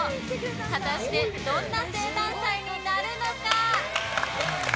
果たしてどんな生誕祭になるのか。